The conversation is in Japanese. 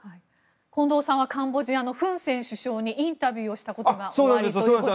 近藤さんはカンボジアのフン・セン首相にインタビューをしたことがおありということですが。